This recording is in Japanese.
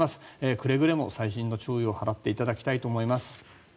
くれぐれも細心の注意を払っていただきたいと思います。